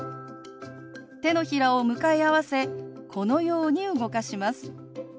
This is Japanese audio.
手のひらを向かい合わせこのように動かします。